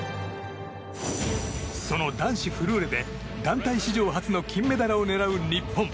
その男子フルーレで団体史上初の金メダルを狙う日本。